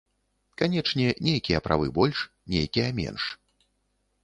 Канечне, нейкія правы больш, нейкія менш.